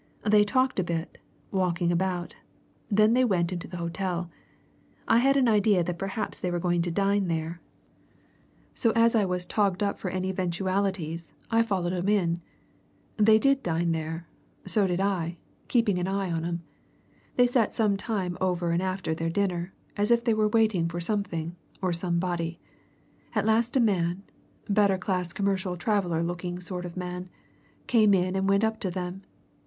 They talked a bit, walking about; then they went into the hotel. I had an idea that perhaps they were going to dine there, so as I was togged up for any eventualities, I followed 'em in. They did dine there so did I, keeping an eye on 'em. They sat some time over and after their dinner, as if they were waiting for something or somebody. At last a man better class commercial traveller looking sort of man came in and went up to them.